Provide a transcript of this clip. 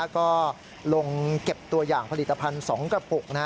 ก็ลงเก็บตัวอย่างผลิตภัณฑ์๒กระปุก